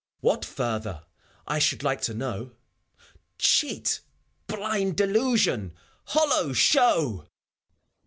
FAUST. What further, I should like to knowT Cheat! Blind delusion! Hollow show!